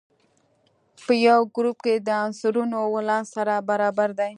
په یوه ګروپ کې د عنصرونو ولانس سره برابر دی.